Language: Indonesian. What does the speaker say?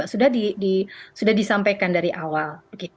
sudah disampaikan dari awal